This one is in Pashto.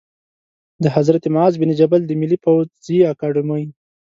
د حضرت معاذ بن جبل د ملي پوځي اکاډمۍ